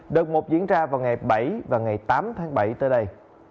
đợt một diễn ra vào ngày bảy và ngày tám tháng bảy tới đây